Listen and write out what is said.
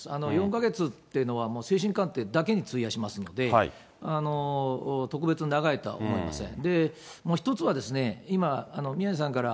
４か月っていうのは、精神鑑定だけに費やしますので、特別、長いとは思いません。